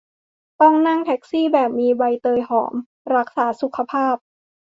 ต้องนั่งแท็กซี่แบบมีใบเตยหอม รักษาสุขภาพ